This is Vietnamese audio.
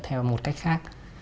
theo một cách khác